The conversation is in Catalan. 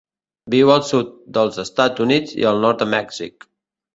Viu al sud dels Estats Units i el nord de Mèxic.